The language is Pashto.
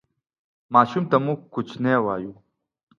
ماشوم ته موږ کوچنی وایو